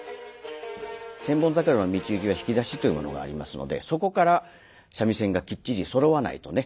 「千本桜」の「道行」は弾き出しというものがありますのでそこから三味線がきっちりそろわないとね